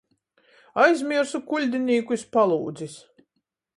Aizmiersu kuļdinīku iz palūdzis.